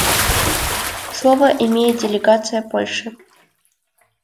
Слово имеет делегация Польши.